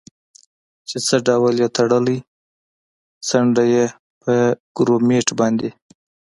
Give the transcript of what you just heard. چې څه ډول یې تړلی، څنډه یې په ګورمېټ باندې.